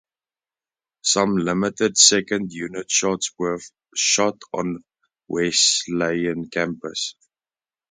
Some limited second unit shots were shot on the Wesleyan campus.